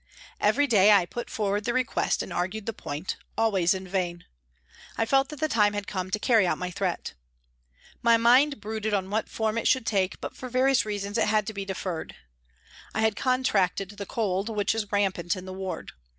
Every day I put forward the request and argued the point, always in vain. I felt that the time had come to carry out my threat. My mind brooded on what form it should take, but for various reasons it had to be deferred. I had contracted the cold which was rampant in the ward.